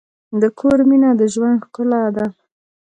د کور مینه د ژوند ښکلا ده.